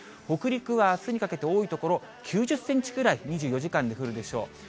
北陸はあすにかけて多い所９０センチくらい、２４時間に降るでしょう。